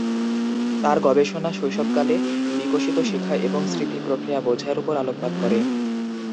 তার গবেষণা শৈশবকালে বিকশিত শেখা এবং স্মৃতি প্রক্রিয়া বোঝার উপর আলোকপাত করে।